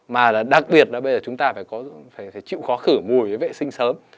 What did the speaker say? mà là đặc biệt là bây giờ chúng ta phải chịu khó khử mùi với vệ sinh sớm